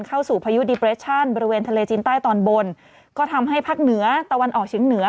เข้าสู่พายุบริเวณทะเลจินใต้ตอนบนก็ทำให้ภาคเหนือตะวันออกเฉียงเหนือ